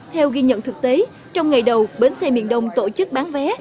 theo ghi nhận thực tế trong ngày đầu bến xe miền đông tổ chức bán vé